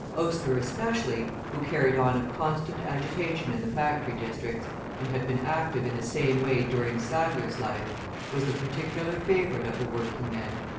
Oastler especially, who carried on a constant agitation in the factory districts, and had been active in the same way during Sadler's life, was the particular favourite of the working men.